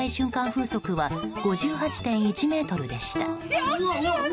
風速は５８．１メートルでした。